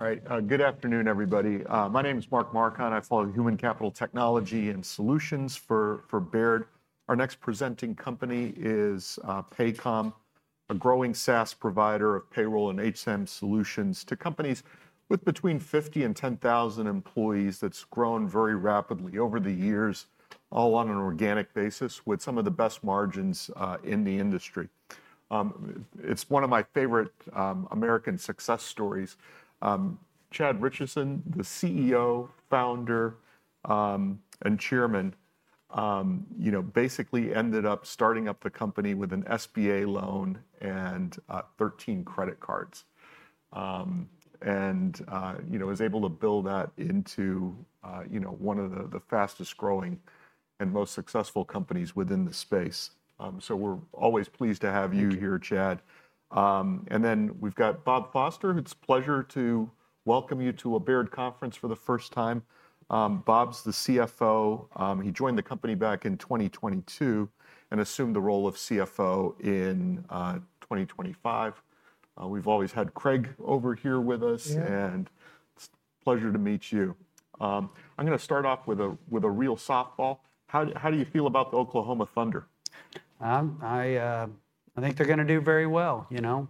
All right, good afternoon, everybody. My name is Mark Marcon. I follow Human Capital Technology and Solutions for Baird. Our next presenting company is Paycom, a growing SaaS provider of payroll and HCM solutions to companies with between 50 and 10,000 employees. That's grown very rapidly over the years, all on an organic basis, with some of the best margins in the industry. It's one of my favorite American success stories. Chad Richison, the CEO, founder, and chairman, you know, basically ended up starting up the company with an SBA loan and 13 credit cards, and, you know, was able to build that into, you know, one of the fastest growing and most successful companies within the space. We are always pleased to have you here, Chad. Then we've got Bob Foster, whose pleasure to welcome you to a Baird conference for the first time. Bob's the CFO. He joined the company back in 2022 and assumed the role of CFO in 2025. We've always had Craig over here with us, and it's a pleasure to meet you. I'm going to start off with a real softball. How do you feel about the Oklahoma Thunder? I think they're going to do very well. You know,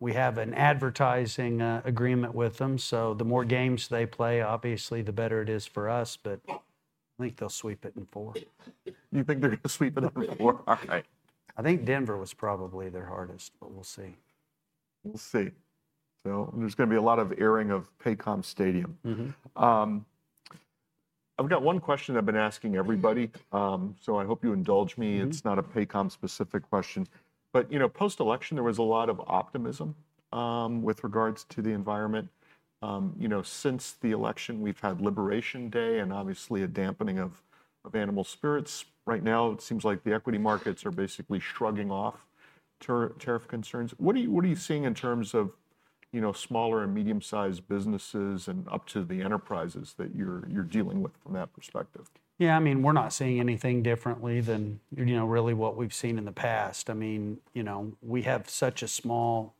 we have an advertising agreement with them, so the more games they play, obviously the better it is for us. I think they'll sweep it in four. You think they're going to sweep it in four? I think Denver was probably their hardest, but we'll see. We'll see. There's going to be a lot of airing of Paycom Stadium. I've got one question I've been asking everybody, so I hope you indulge me. It's not a Paycom-specific question. You know, post-election, there was a lot of optimism with regards to the environment. You know, since the election, we've had Liberation Day and obviously a dampening of animal spirits. Right now, it seems like the equity markets are basically shrugging off tariff concerns. What are you seeing in terms of, you know, smaller and medium-sized businesses and up to the enterprises that you're dealing with from that perspective? Yeah, I mean, we're not seeing anything differently than, you know, really what we've seen in the past. I mean, you know, we have such a small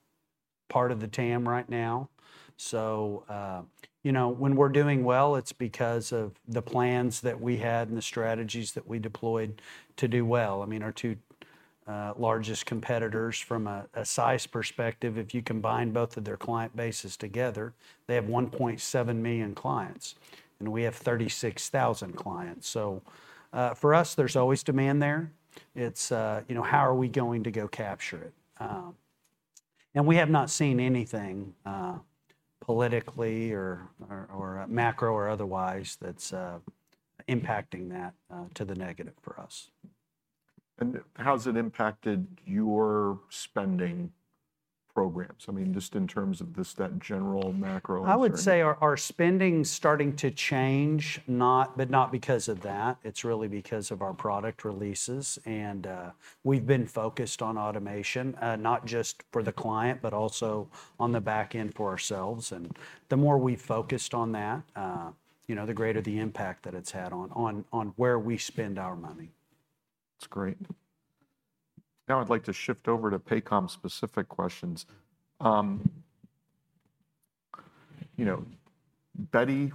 part of the TAM right now. So, you know, when we're doing well, it's because of the plans that we had and the strategies that we deployed to do well. I mean, our two largest competitors from a size perspective, if you combine both of their client bases together, they have 1.7 million clients, and we have 36,000 clients. For us, there's always demand there. It's, you know, how are we going to go capture it? We have not seen anything politically or macro or otherwise that's impacting that to the negative for us. How has it impacted your spending programs? I mean, just in terms of just that general macro insight. I would say our spending is starting to change, but not because of that. It is really because of our product releases. And we have been focused on automation, not just for the client, but also on the back end for ourselves. The more we have focused on that, you know, the greater the impact that it has had on where we spend our money. That's great. Now I'd like to shift over to Paycom-specific questions. You know, Beti,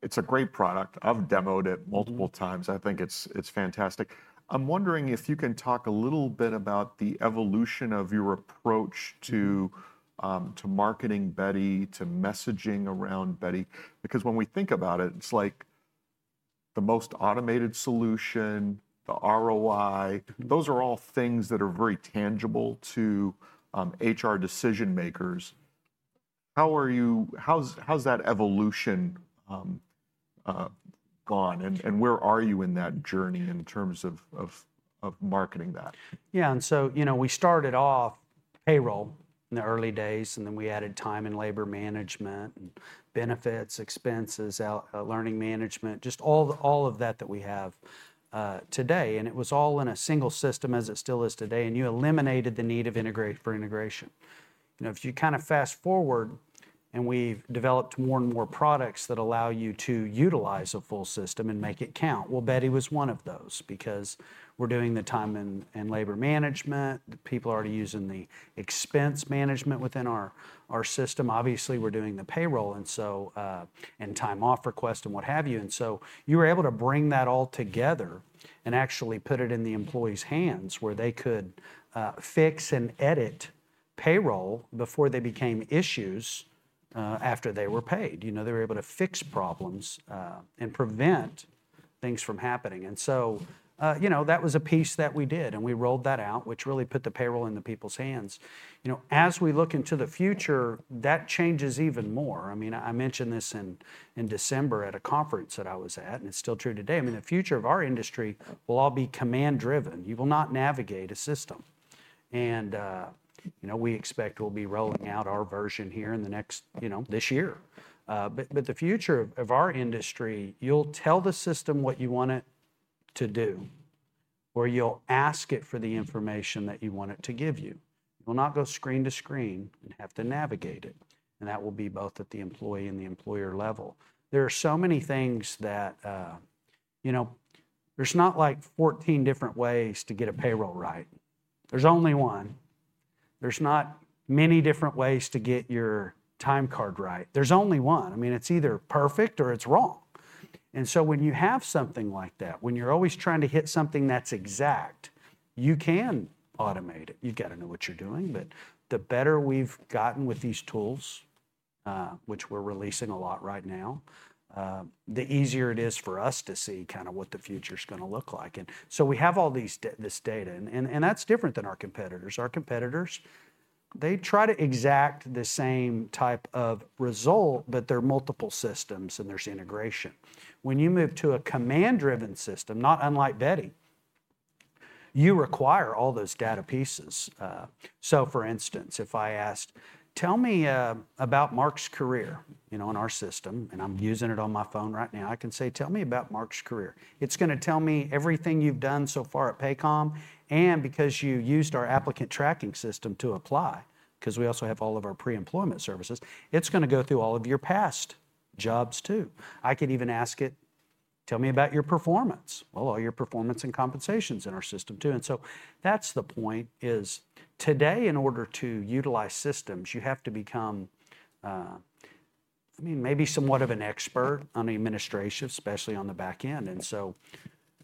it's a great product. I've demoed it multiple times. I think it's fantastic. I'm wondering if you can talk a little bit about the evolution of your approach to marketing Beti, to messaging around Beti, because when we think about it, it's like the most automated solution, the ROI, those are all things that are very tangible to HR decision makers. How are you? How's that evolution gone? Where are you in that journey in terms of marketing that? Yeah, and so, you know, we started off payroll in the early days, and then we added time and labor management and benefits, expenses, learning management, just all of that that we have today. It was all in a single system, as it still is today. You eliminated the need for integration. You know, if you kind of fast forward and we've developed more and more products that allow you to utilize a full system and make it count. Beti was one of those because we're doing the time and labor management. People are already using the expense management within our system. Obviously, we're doing the payroll and time-off requests and what have you. You were able to bring that all together and actually put it in the employee's hands where they could fix and edit payroll before they became issues after they were paid. You know, they were able to fix problems and prevent things from happening. And so, you know, that was a piece that we did, and we rolled that out, which really put the payroll in the people's hands. You know, as we look into the future, that changes even more. I mean, I mentioned this in December at a conference that I was at, and it's still true today. I mean, the future of our industry will all be command-driven. You will not navigate a system. And, you know, we expect we'll be rolling out our version here in the next, you know, this year. But the future of our industry, you'll tell the system what you want it to do, or you'll ask it for the information that you want it to give you. You will not go screen to screen and have to navigate it. That will be both at the employee and the employer level. There are so many things that, you know, there's not like 14 different ways to get a payroll right. There's only one. There's not many different ways to get your time card right. There's only one. I mean, it's either perfect or it's wrong. When you have something like that, when you're always trying to hit something that's exact, you can automate it. You've got to know what you're doing. The better we've gotten with these tools, which we're releasing a lot right now, the easier it is for us to see kind of what the future is going to look like. We have all this data, and that's different than our competitors. Our competitors, they try to exact the same type of result, but there are multiple systems and there's integration. When you move to a command-driven system, not unlike Beti, you require all those data pieces. For instance, if I asked, "Tell me about Mark's career," you know, in our system, and I'm using it on my phone right now, I can say, "Tell me about Mark's career." It's going to tell me everything you've done so far at Paycom, and because you used our applicant tracking system to apply, because we also have all of our pre-employment services, it's going to go through all of your past jobs too. I could even ask it, "Tell me about your performance." All your performance and compensation is in our system too. That is the point: today, in order to utilize systems, you have to become, I mean, maybe somewhat of an expert on the administration, especially on the back end.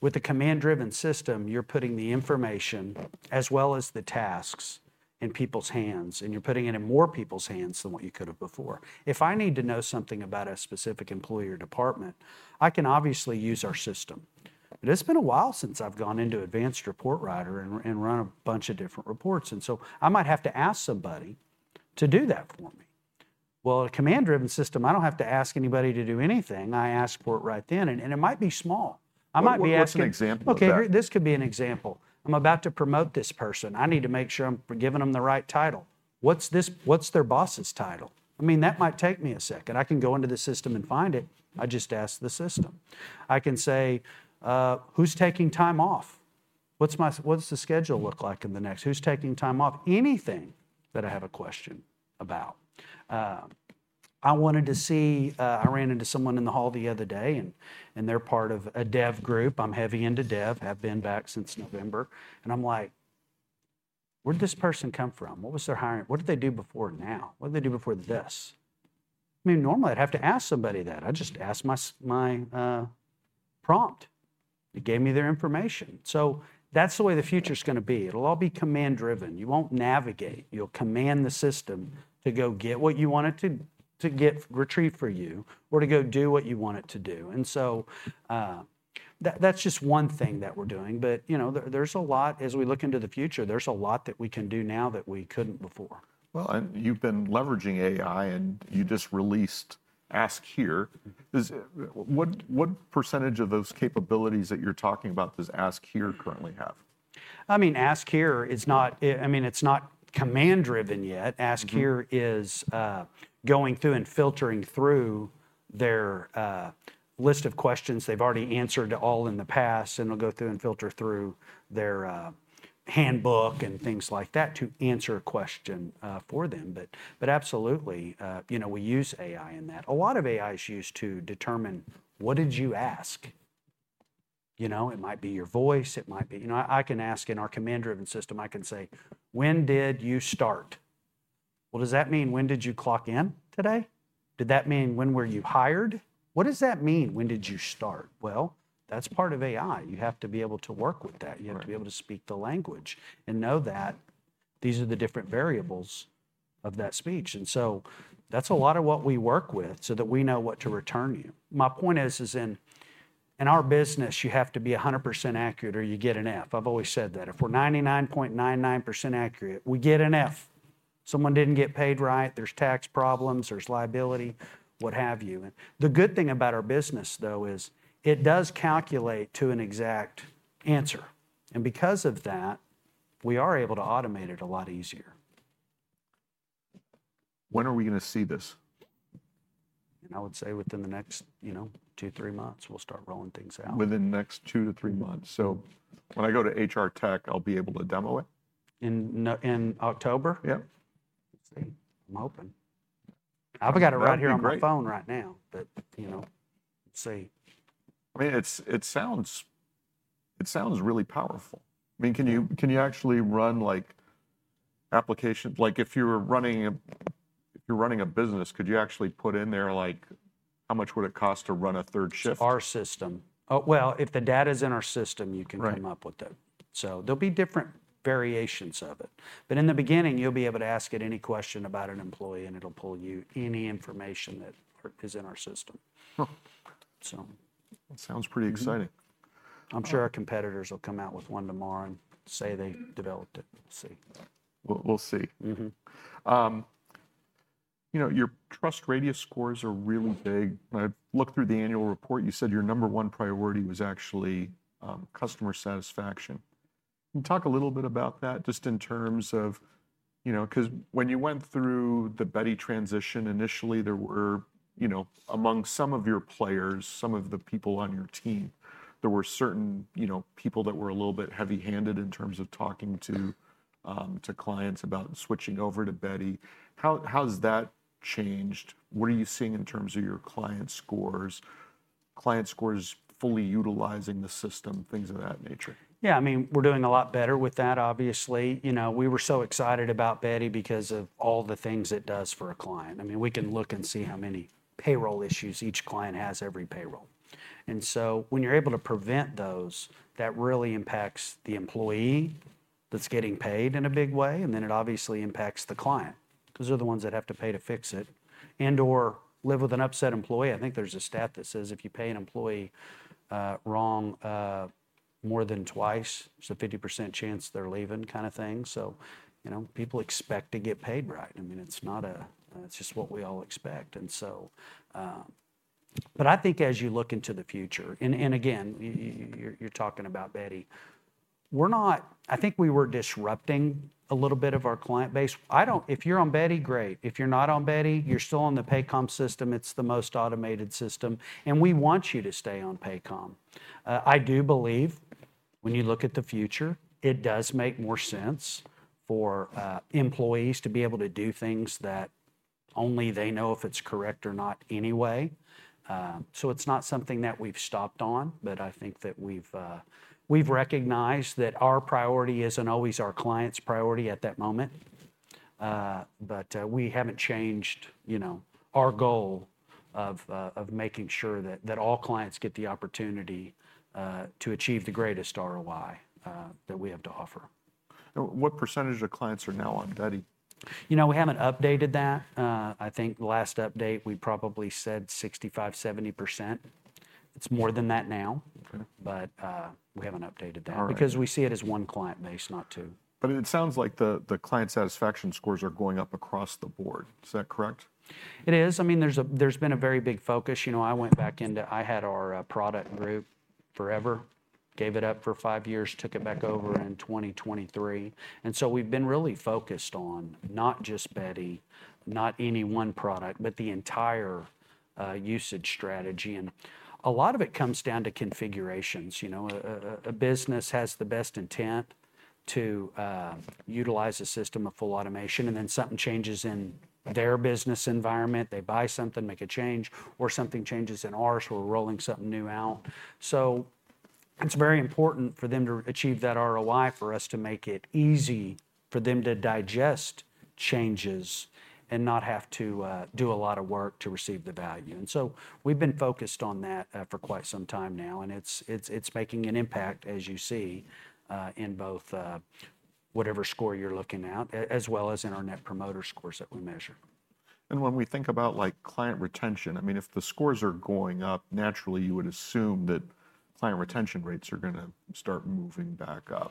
With a command-driven system, you're putting the information as well as the tasks in people's hands, and you're putting it in more people's hands than what you could have before. If I need to know something about a specific employee or department, I can obviously use our system. But it's been a while since I've gone into Advanced Report Writer and run a bunch of different reports. I might have to ask somebody to do that for me. A command-driven system, I don't have to ask anybody to do anything. I ask for it right then. It might be small. I might be asking. Give us an example of that. Okay, this could be an example. I'm about to promote this person. I need to make sure I'm giving them the right title. What's their boss's title? I mean, that might take me a second. I can go into the system and find it. I just asked the system. I can say, "Who's taking time off? What's the schedule look like in the next? Who's taking time off?" Anything that I have a question about. I wanted to see, I ran into someone in the hall the other day, and they're part of a dev group. I'm heavy into dev. I've been back since November. I’m like, "Where did this person come from? What was their hiring? What did they do before now? What did they do before this?" I mean, normally I'd have to ask somebody that. I just asked my prompt. It gave me their information. That is the way the future is going to be. It will all be command-driven. You will not navigate. You will command the system to go get what you want it to retrieve for you or to go do what you want it to do. That is just one thing that we are doing. You know, there is a lot, as we look into the future, there is a lot that we can do now that we could not before. And you've been leveraging AI, and you just released Ask Here. What percentage of those capabilities that you're talking about does Ask Here currently have? I mean, Ask Here is not, I mean, it's not command-driven yet. Ask Here is going through and filtering through their list of questions they've already answered all in the past, and it'll go through and filter through their handbook and things like that to answer a question for them. Absolutely, you know, we use AI in that. A lot of AI is used to determine what did you ask. You know, it might be your voice. It might be, you know, I can ask in our command-driven system, I can say, "When did you start?" Does that mean when did you clock in today? Did that mean when were you hired? What does that mean when did you start? That is part of AI. You have to be able to work with that. You have to be able to speak the language and know that these are the different variables of that speech. That is a lot of what we work with so that we know what to return you. My point is, in our business, you have to be 100% accurate or you get an F. I have always said that. If we are 99.99% accurate, we get an F. Someone did not get paid right. There are tax problems. There is liability, what have you. The good thing about our business, though, is it does calculate to an exact answer. Because of that, we are able to automate it a lot easier. When are we going to see this? I would say within the next, you know, two, three months, we'll start rolling things out. Within the next two to three months. So when I go to HR Tech, I'll be able to demo it? In October? Yeah. Let's see. I'm hoping. I've got it right here on my phone right now, but, you know, let's see. I mean, it sounds really powerful. I mean, can you actually run like applications? Like if you're running a business, could you actually put in there like how much would it cost to run a third shift? It's our system. If the data is in our system, you can come up with it. There'll be different variations of it. In the beginning, you'll be able to ask it any question about an employee, and it'll pull you any information that is in our system. That sounds pretty exciting. I'm sure our competitors will come out with one tomorrow and say they developed it. We'll see. We'll see. You know, your TrustRadius scores are really big. When I looked through the annual report, you said your number one priority was actually customer satisfaction. Can you talk a little bit about that just in terms of, you know, because when you went through the Beti transition initially, there were, you know, among some of your players, some of the people on your team, there were certain, you know, people that were a little bit heavy-handed in terms of talking to clients about switching over to Beti. How has that changed? What are you seeing in terms of your client scores, client scores fully utilizing the system, things of that nature? Yeah, I mean, we're doing a lot better with that, obviously. You know, we were so excited about Beti because of all the things it does for a client. I mean, we can look and see how many payroll issues each client has every payroll. And when you're able to prevent those, that really impacts the employee that's getting paid in a big way. It obviously impacts the client because they're the ones that have to pay to fix it and or live with an upset employee. I think there's a stat that says if you pay an employee wrong more than twice, there's a 50% chance they're leaving kind of thing. You know, people expect to get paid right. I mean, it's not a, it's just what we all expect. I think as you look into the future, and again, you're talking about Beti, we're not, I think we were disrupting a little bit of our client base. If you're on Beti, great. If you're not on Beti, you're still on the Paycom system. It's the most automated system. We want you to stay on Paycom. I do believe when you look at the future, it does make more sense for employees to be able to do things that only they know if it's correct or not anyway. It's not something that we've stopped on, but I think that we've recognized that our priority isn't always our client's priority at that moment. We haven't changed, you know, our goal of making sure that all clients get the opportunity to achieve the greatest ROI that we have to offer. What percentage of clients are now on Beti? You know, we haven't updated that. I think the last update, we probably said 65% 70%. It's more than that now. We haven't updated that because we see it as one client base, not two. It sounds like the client satisfaction scores are going up across the board. Is that correct? It is. I mean, there's been a very big focus. You know, I went back into, I had our product group forever, gave it up for five years, took it back over in 2023. And we have been really focused on not just Beti, not any one product, but the entire usage strategy. A lot of it comes down to configurations. You know, a business has the best intent to utilize a system of full automation, and then something changes in their business environment. They buy something, make a change, or something changes in ours, we are rolling something new out. It is very important for them to achieve that ROI for us to make it easy for them to digest changes and not have to do a lot of work to receive the value. We have been focused on that for quite some time now, and it is making an impact, as you see, in both whatever score you are looking at, as well as in our net promoter scores that we measure. When we think about like client retention, I mean, if the scores are going up, naturally, you would assume that client retention rates are going to start moving back up.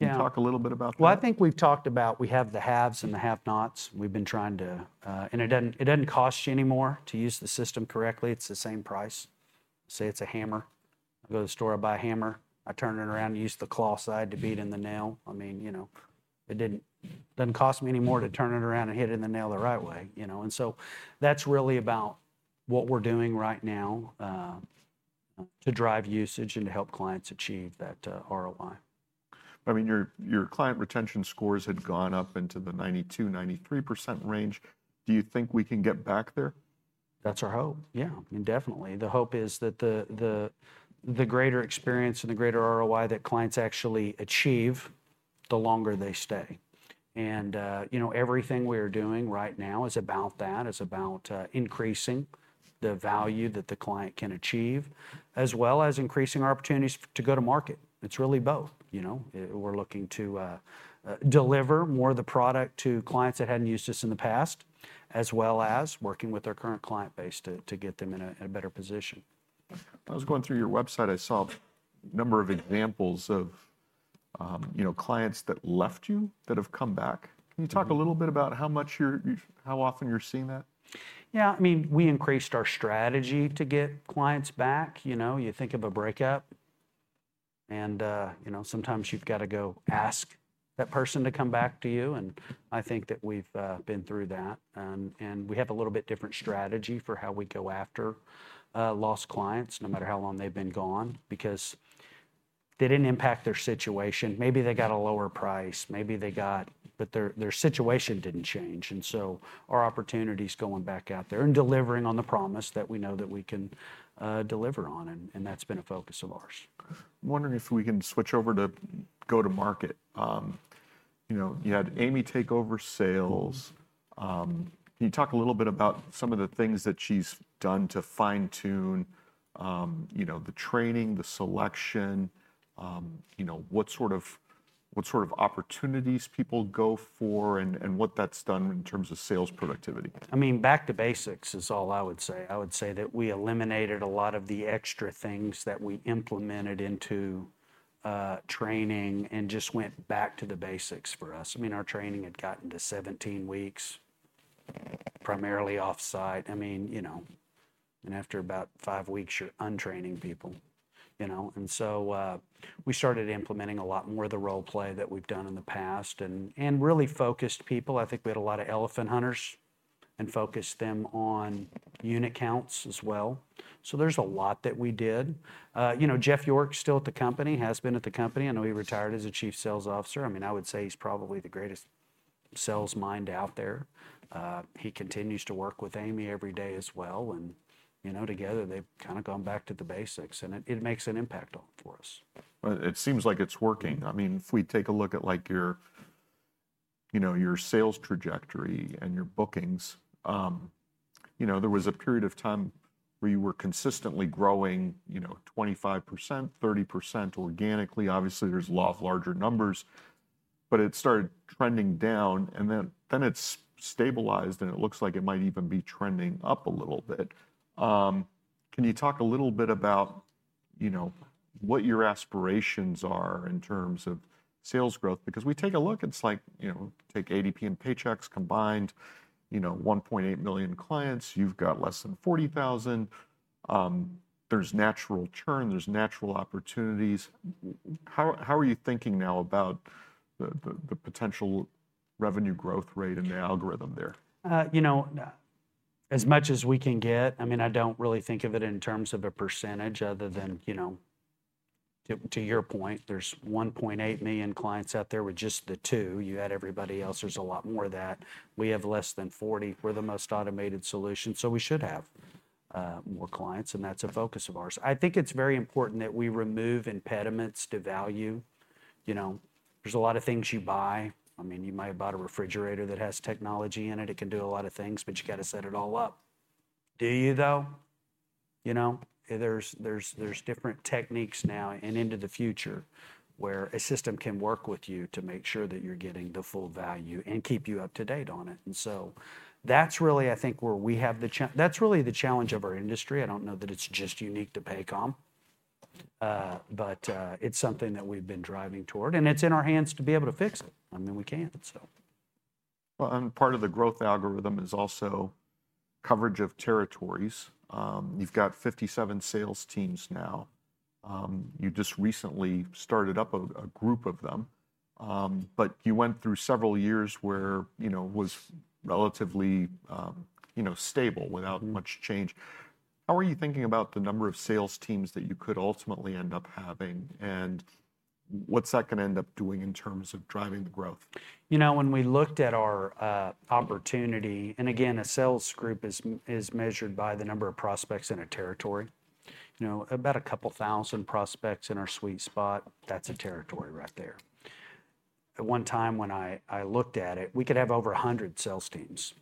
Can you talk a little bit about that? I think we've talked about, we have the haves and the have-nots. We've been trying to, and it does not cost you anymore to use the system correctly. It's the same price. Say it's a hammer. I go to the store, I buy a hammer. I turn it around and use the claw side to beat in the nail. I mean, you know, it does not cost me anymore to turn it around and hit it in the nail the right way, you know. That is really about what we are doing right now to drive usage and to help clients achieve that ROI. I mean, your client retention scores had gone up into the 92%-93% range. Do you think we can get back there? That's our hope. Yeah, I mean, definitely. The hope is that the greater experience and the greater ROI that clients actually achieve, the longer they stay. You know, everything we are doing right now is about that. It's about increasing the value that the client can achieve, as well as increasing our opportunities to go to market. It's really both, you know. We're looking to deliver more of the product to clients that hadn't used us in the past, as well as working with our current client base to get them in a better position. I was going through your website. I saw a number of examples of, you know, clients that left you that have come back. Can you talk a little bit about how much you're, how often you're seeing that? Yeah, I mean, we increased our strategy to get clients back. You know, you think of a breakup, and, you know, sometimes you've got to go ask that person to come back to you. I think that we've been through that. We have a little bit different strategy for how we go after lost clients, no matter how long they've been gone, because they didn't impact their situation. Maybe they got a lower price. Maybe they got, but their situation didn't change. Our opportunity is going back out there and delivering on the promise that we know that we can deliver on. That's been a focus of ours. I'm wondering if we can switch over to go-to-market. You know, you had Amy take over sales. Can you talk a little bit about some of the things that she's done to fine-tune, you know, the training, the selection, you know, what sort of opportunities people go for and what that's done in terms of sales productivity? I mean, back to basics is all I would say. I would say that we eliminated a lot of the extra things that we implemented into training and just went back to the basics for us. I mean, our training had gotten to 17 weeks, primarily off-site. I mean, you know, and after about five weeks, you're untraining people, you know. We started implementing a lot more of the role play that we've done in the past and really focused people. I think we had a lot of elephant hunters and focused them on unit counts as well. There is a lot that we did. You know, Jeff York is still at the company, has been at the company. I know he retired as Chief Sales Officer. I mean, I would say he's probably the greatest sales mind out there. He continues to work with Amy every day as well. You know, together, they've kind of gone back to the basics, and it makes an impact on for us. It seems like it's working. I mean, if we take a look at like your, you know, your sales trajectory and your bookings, you know, there was a period of time where you were consistently growing, you know, 25%, 30% organically. Obviously, there's a lot of larger numbers, but it started trending down, and then it's stabilized, and it looks like it might even be trending up a little bit. Can you talk a little bit about, you know, what your aspirations are in terms of sales growth? Because we take a look, it's like, you know, take ADP and Paychex combined, you know, 1.8 million clients, you've got less than 40,000 clients. There's natural turn, there's natural opportunities. How are you thinking now about the potential revenue growth rate and the algorithm there? You know, as much as we can get, I mean, I do not really think of it in terms of a percentage other than, you know, to your point, there is 1.8 million clients out there with just the two. You add everybody else, there is a lot more of that. We have less than 40,000 clients. We are the most automated solution. So we should have more clients, and that is a focus of ours. I think it is very important that we remove impediments to value. You know, there is a lot of things you buy. I mean, you might buy a refrigerator that has technology in it. It can do a lot of things, but you got to set it all up. Do you, though? You know, there's different techniques now and into the future where a system can work with you to make sure that you're getting the full value and keep you up to date on it. That's really, I think, where we have the challenge. That's really the challenge of our industry. I don't know that it's just unique to Paycom, but it's something that we've been driving toward, and it's in our hands to be able to fix it. I mean, we can, so. Part of the growth algorithm is also coverage of territories. You've got 57 sales teams now. You just recently started up a group of them, but you went through several years where, you know, it was relatively, you know, stable without much change. How are you thinking about the number of sales teams that you could ultimately end up having, and what's that going to end up doing in terms of driving the growth? You know, when we looked at our opportunity, and again, a sales group is measured by the number of prospects in a territory. You know, about a couple thousand prospects in our sweet spot, that's a territory right there. At one time when I looked at it, we could have over 100 sales teams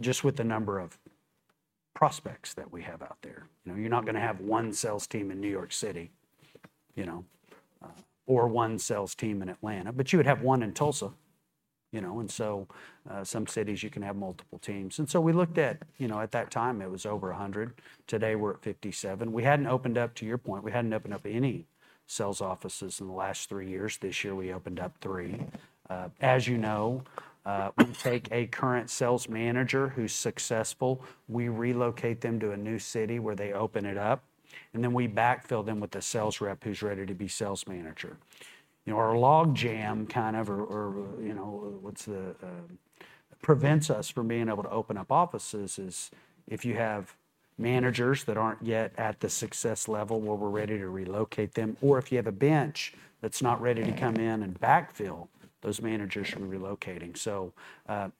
just with the number of prospects that we have out there. You know, you're not going to have one sales team in New York City, you know, or one sales team in Atlanta, but you would have one in Tulsa, you know. Some cities, you can have multiple teams. We looked at, you know, at that time, it was over 100. Today, we're at 57. We hadn't opened up, to your point, we hadn't opened up any sales offices in the last three years. This year, we opened up three. As you know, we take a current sales manager who's successful, we relocate them to a new city where they open it up, and then we backfill them with a sales rep who's ready to be sales manager. You know, our log jam kind of, or, you know, what's the, prevents us from being able to open up offices is if you have managers that aren't yet at the success level where we're ready to relocate them, or if you have a bench that's not ready to come in and backfill those managers from relocating. So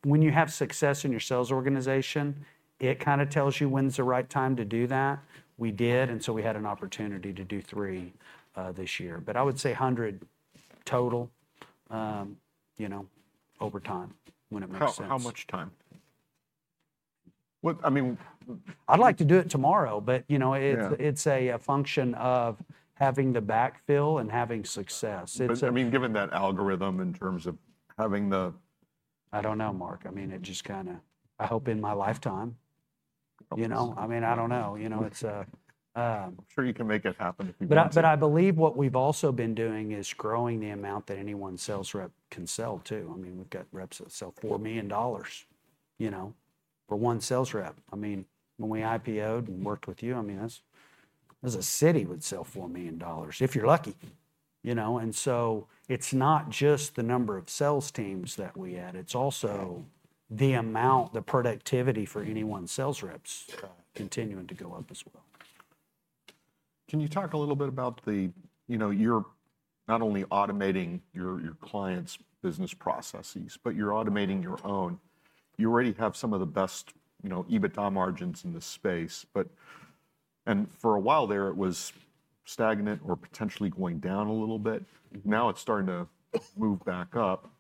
when you have success in your sales organization, it kind of tells you when's the right time to do that. We did, and so we had an opportunity to do three this year. But I would say 100 total, you know, over time when it makes sense. How much time? I mean, I'd like to do it tomorrow, but, you know, it's a function of having the backfill and having success. I mean, given that algorithm in terms of having the. I don't know, Mark. I mean, it just kind of, I hope in my lifetime, you know. I mean, I don't know, you know. I'm sure you can make it happen if you want. I believe what we've also been doing is growing the amount that any one sales rep can sell to. I mean, we've got reps that sell $4 million, you know, for one sales rep. I mean, when we IPOed and worked with you, I mean, that's as a city would sell $4 million if you're lucky, you know. It is not just the number of sales teams that we add, it's also the amount, the productivity for any one sales rep's continuing to go up as well. Can you talk a little bit about the, you know, you're not only automating your clients' business processes, but you're automating your own. You already have some of the best, you know, EBITDA margins in the space, but for a while there, it was stagnant or potentially going down a little bit. Now it's starting to move back up.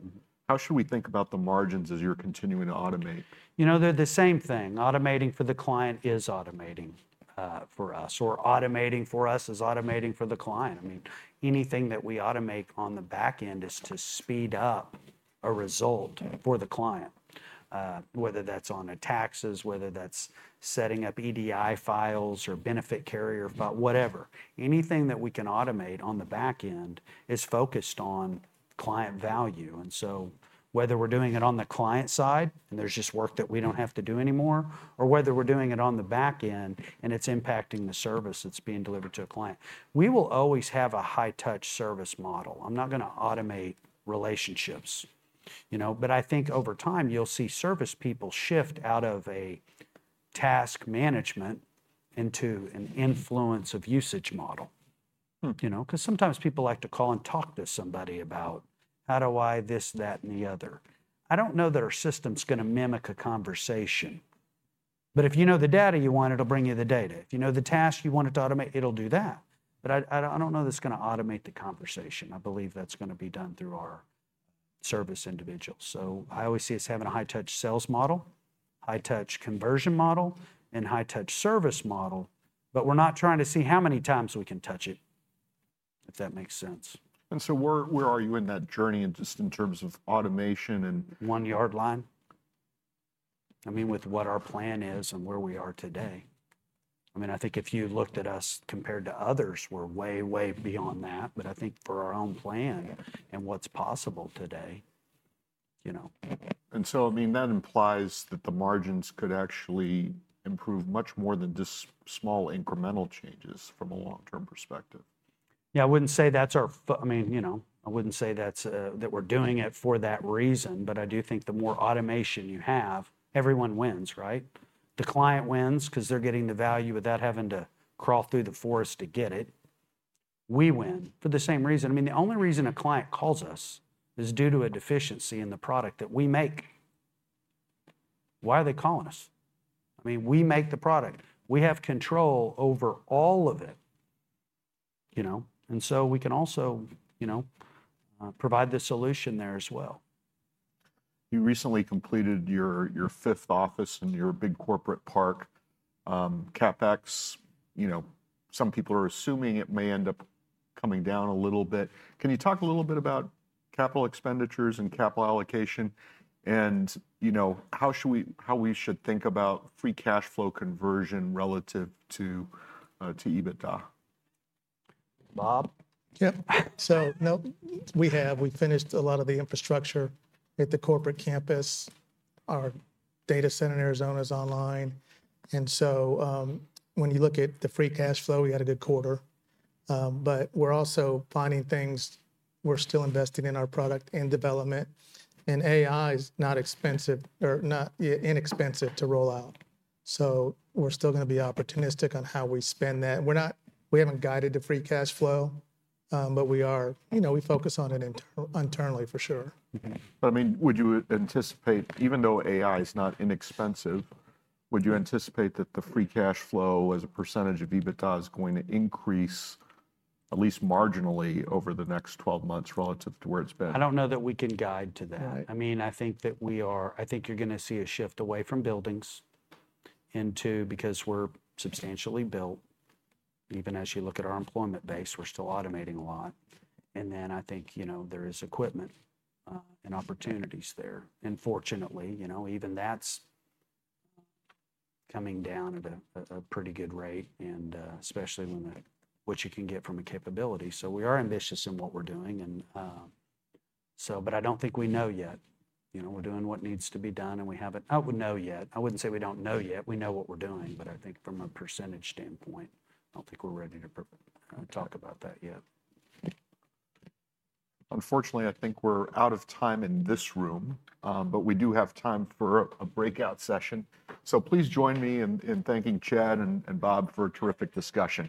How should we think about the margins as you're continuing to automate? You know, they're the same thing. Automating for the client is automating for us, or automating for us is automating for the client. I mean, anything that we automate on the back end is to speed up a result for the client, whether that's on taxes, whether that's setting up EDI files or benefit carrier or whatever. Anything that we can automate on the back end is focused on client value. Whether we're doing it on the client side and there's just work that we don't have to do anymore, or whether we're doing it on the back end and it's impacting the service that's being delivered to a client, we will always have a high-touch service model. I'm not going to automate relationships, you know, but I think over time you'll see service people shift out of a task management into an influence of usage model, you know, because sometimes people like to call and talk to somebody about how do I this, that, and the other. I don't know that our system's going to mimic a conversation, but if you know the data you want, it'll bring you the data. If you know the task you want it to automate, it'll do that. I don't know that it's going to automate the conversation. I believe that's going to be done through our service individuals. I always see us having a high-touch sales model, high-touch conversion model, and high-touch service model, but we're not trying to see how many times we can touch it, if that makes sense. Where are you in that journey just in terms of automation? One yard line? I mean, with what our plan is and where we are today. I mean, I think if you looked at us compared to others, we're way, way beyond that, but I think for our own plan and what's possible today, you know. I mean, that implies that the margins could actually improve much more than just small incremental changes from a long-term perspective. Yeah, I wouldn't say that's our, I mean, you know, I wouldn't say that we're doing it for that reason, but I do think the more automation you have, everyone wins, right? The client wins because they're getting the value without having to crawl through the forest to get it. We win for the same reason. I mean, the only reason a client calls us is due to a deficiency in the product that we make. Why are they calling us? I mean, we make the product. We have control over all of it, you know, and so we can also, you know, provide the solution there as well. You recently completed your fifth office in your big corporate park, CapEx. You know, some people are assuming it may end up coming down a little bit. Can you talk a little bit about capital expenditures and capital allocation and, you know, how we should think about free cash flow conversion relative to EBITDA? Bob? Yep. No, we have, we finished a lot of the infrastructure at the corporate campus. Our data center in Arizona is online. When you look at the free cash flow, we had a good quarter, but we're also finding things. We're still investing in our product and development, and AI is not expensive or not inexpensive to roll out. We're still going to be opportunistic on how we spend that. We're not, we haven't guided the free cash flow, but we are, you know, we focus on it internally for sure. I mean, would you anticipate, even though AI is not inexpensive, would you anticipate that the free cash flow as a percentage of EBITDA is going to increase at least marginally over the next 12 months relative to where it's been? I don't know that we can guide to that. I mean, I think that we are, I think you're going to see a shift away from buildings into because we're substantially built. Even as you look at our employment base, we're still automating a lot. And then I think, you know, there is equipment and opportunities there. Fortunately, you know, even that's coming down at a pretty good rate and especially when the, what you can get from a capability. We are ambitious in what we're doing. I don't think we know yet, you know, we're doing what needs to be done and we haven't, I wouldn't know yet. I wouldn't say we don't know yet. We know what we're doing, but I think from a percentage standpoint, I don't think we're ready to talk about that yet. Unfortunately, I think we're out of time in this room, but we do have time for a breakout session. Please join me in thanking Chad and Bob for a terrific discussion.